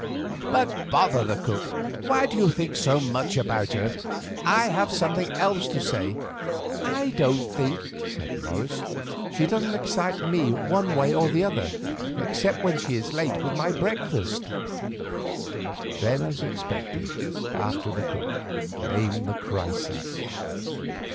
But bother the cook, why do you think so much about her; I have something else to say." "I don't think," said Morris. "She doesn't excite me one way or the other, except when she is late with my breakfast." Then, as he expected, after the cook came the crisis.